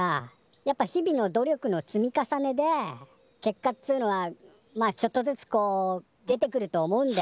やっぱ日々の努力の積み重ねで結果っつうのはまあちょっとずつこう出てくると思うんだよね。